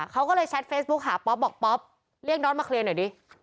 เขาก็เลยแชทเฟซบุ๊กหาป๊อปบอกป๊อปเรียกนอทมาเคลียร์หน่อยดิ